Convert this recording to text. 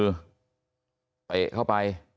เตะเข้าไป